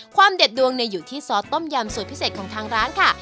เด็ดดวงอยู่ที่ซอสต้มยำสูตรพิเศษของทางร้านค่ะ